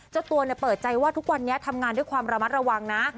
เจ้าตัวเปิดใจว่าทุกวันนี้ทำงานด้วยความระมัดระวังนะ